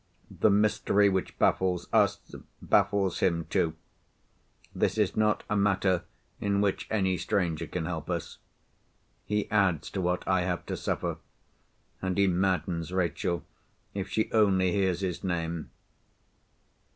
The mystery which baffles us, baffles him too. This is not a matter in which any stranger can help us. He adds to what I have to suffer; and he maddens Rachel if she only hears his name.